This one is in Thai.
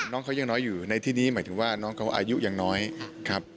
น้องเขายังน้อยอยู่ในที่นี้หมายถึงว่าน้องเขาอายุยังน้อยครับ